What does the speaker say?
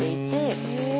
へえ！